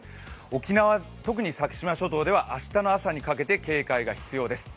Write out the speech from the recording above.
沖縄、特に先島諸島では明日の朝にかけて警戒が必要です。